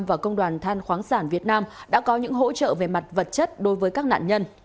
và công đoàn than khoáng sản việt nam đã có những hỗ trợ về mặt vật chất đối với các nạn nhân